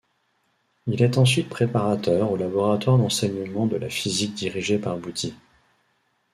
Il est ensuite préparateur au laboratoire d'enseignement de la physique dirigé par Bouty.